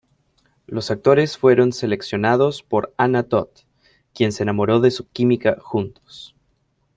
Los actores fueron seleccionados por Anna Todd, quien se enamoró de su química juntos.